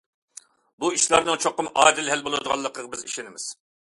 بۇ ئىشلارنىڭ چوقۇم ئادىل ھەل بولىدىغانلىقىغا بىز ئىشىنىمىز.